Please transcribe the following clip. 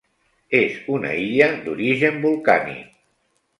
És una illa d'origen volcànic.